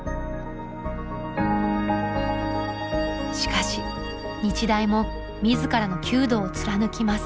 しかし日大も自らの弓道を貫きます。